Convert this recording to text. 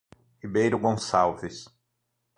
Ribeiro Gonçalves